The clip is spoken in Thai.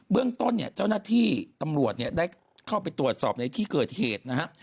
เบื้องต้นเจ้าหน้าที่ตำรวจได้เข้าไปตรวจสอบในที่เกิดเหตุนะครับ